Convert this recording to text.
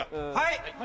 はい！